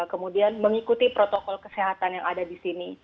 kemudian mengikuti protokol kesehatan yang ada di sini